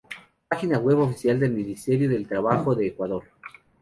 Página web oficial del Ministerio del Trabajo de Ecuador